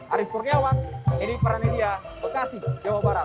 arief kurniawan edi pranedia bekasi jawa barat